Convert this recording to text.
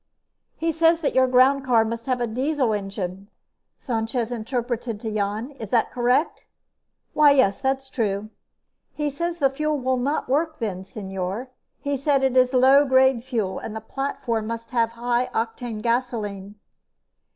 "He says that your groundcar must have a diesel engine," Sanchez interpreted to Jan. "Is that correct?" "Why, yes, that's true." "He says the fuel will not work then, señor. He says it is low grade fuel and the platform must have high octane gasoline."